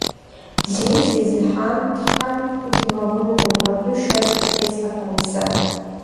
Лей зезыхьам Тхьэм къыхуигъэгъунукъым – абы шэч къытесхьэртэкъым сэ.